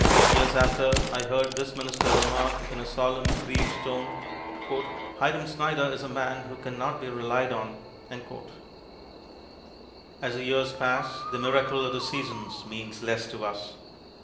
Years after I heard this minister remark in a solemn, grieved tone: "Hiram Snyder is a man who can not be relied on." As the years pass, the miracle of the seasons means less to us.